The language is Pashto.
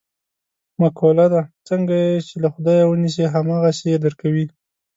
مقوله ده: څنګه یې چې له خدایه و نیسې هم هغسې یې در کوي.